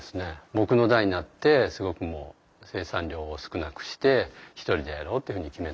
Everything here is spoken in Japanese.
僕の代になってすごくもう生産量を少なくして１人でやろうっていうふうに決めたので。